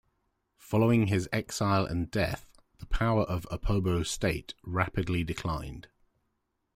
Following his exile and death, the power of the Opobo state rapidly declined.